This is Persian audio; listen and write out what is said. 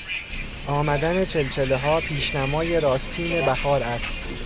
آمدن چلچلهها پیشنمای راستین بهار است.